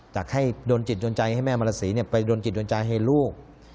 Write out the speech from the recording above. อยากให้โดนจิตโดนใจให้แม่มรสีไปโดนจิตโดนใจให้ลูก